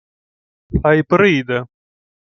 — Хай прийде.